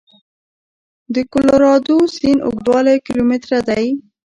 د کلورادو سیند اوږدوالی کیلومتره دی.